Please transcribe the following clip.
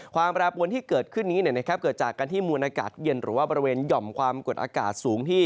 แปรปวนที่เกิดขึ้นนี้เกิดจากการที่มวลอากาศเย็นหรือว่าบริเวณหย่อมความกดอากาศสูงที่